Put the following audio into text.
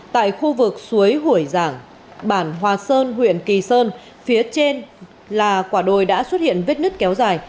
tại khu vực suối hủy giảng bản hòa sơn huyện kỳ sơn phía trên là quả đồi đã xuất hiện vết nứt kéo dài